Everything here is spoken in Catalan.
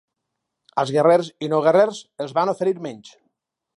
Als guerrers i no guerrers els van oferir menys.